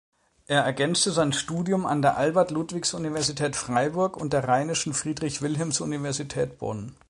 Er ergänzte sein Studium an der Albert-Ludwigs-Universität Freiburg und der Rheinischen Friedrich-Wilhelms-Universität Bonn.